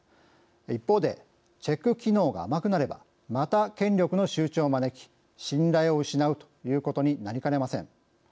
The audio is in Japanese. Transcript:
一方でチェック機能が甘くなればまた権力の集中を招き信頼を失うということになりかねません。